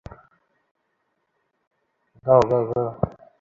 তিনি কোপেনহেগেন বিশ্ববিদ্যালয়ে পড়াশোনা শুরু করেছিলেন।